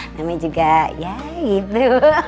namanya juga ya gitu